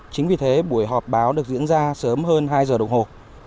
chính vì thế buổi họp báo được diễn ra sớm hơn hai giờ đồng hồ